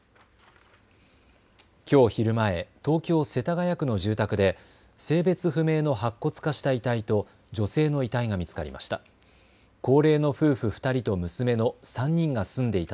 きょう昼前、東京世田谷区の住宅で性別不明の白骨化した遺体と女性の遺体が見つかりました。